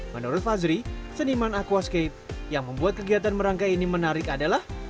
menurut fazri seniman aquascape yang membuat kegiatan merangkai ini menarik adalah